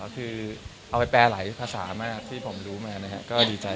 คือเอาไปแปลหลายภาษามากที่ผมรู้มานะครับก็ดีใจ